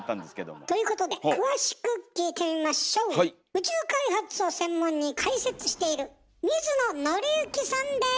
宇宙開発を専門に解説している水野倫之さんです！